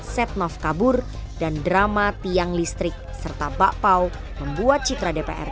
setnov kabur dan drama tiang listrik serta bakpao membuat citra dpr